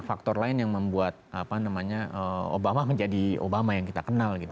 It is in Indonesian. faktor lain yang membuat obama menjadi obama yang kita kenal gitu